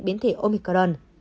biến thể omicron